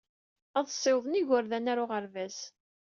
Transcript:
Ad ssiwḍen igerdan ɣer uɣerbaz.